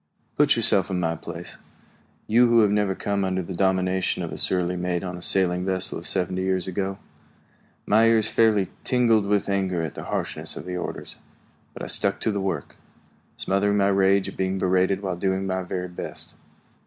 Put yourself in my place, you who have never come under the domination of a surly mate on a sailing vessel of seventy years ago. My ears fairly tingled with anger at the harshness of the orders, but I stuck to the work, smothering my rage at being berated while doing my very best.